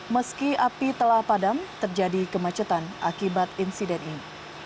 meski api telah padam terjadi kemacetan akibat insiden ini